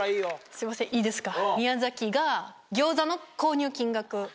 すいませんいいですか？